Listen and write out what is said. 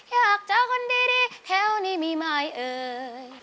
อยากเจอคนดีแถวนี้มีไหมเอ่ย